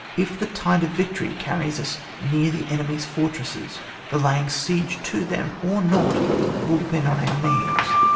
If the tide of victory carries us near the enemy's fortresses, the laying siege to them or not will depend on our means.